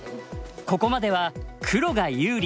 ここまでは黒が有利。